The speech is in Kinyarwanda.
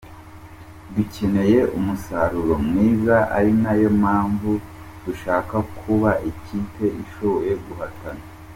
"Ducyeneye umusaruro mwiza ari nayo mpamvu dushaka kubaka ikipe ishoboye guhatana.